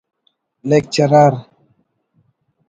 لیکچرر